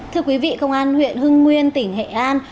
thưa quý vị công an huyện hưng nguyên tỉnh nghệ an